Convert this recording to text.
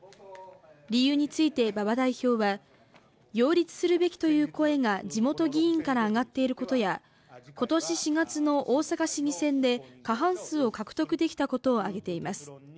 理由について馬場代表は擁立するべきという声が地元議員から上がっていることや今年４月の大阪市議選で過半数を獲得できたことを挙げています。